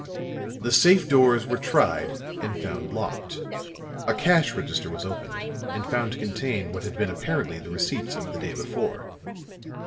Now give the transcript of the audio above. The safe doors were tried and found locked; a cash register was opened and found to contain what had been apparently the receipts of the day before.